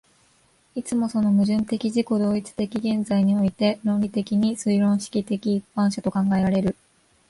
いつもその矛盾的自己同一的現在において論理的に推論式的一般者と考えられる。